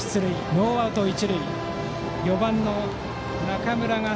ノーアウト、一塁で４番の中村。